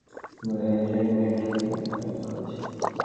তোমাদের এনগেজমেন্ট তারিখ ঠিক করা হয়েছে।